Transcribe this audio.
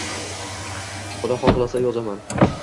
Xudo xohlasa, yozaman